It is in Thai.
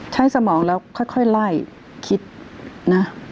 สมองแล้วค่อยไล่คิดนะ